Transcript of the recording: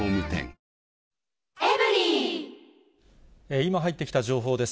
今、入ってきた情報です。